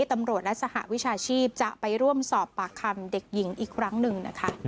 ตำรวจและสหวิชาชีพจะไปร่วมสอบปากคำเด็กหญิงอีกครั้งหนึ่งนะคะ